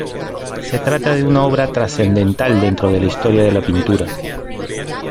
Se trata de una obra trascendental dentro de la historia de la pintura.